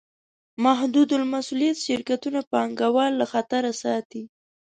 محدودالمسوولیت شرکتونه پانګهوال له خطره ساتي.